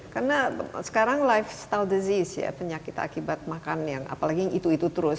karena sekarang lifestyle disease ya penyakit akibat makan yang apalagi itu itu terus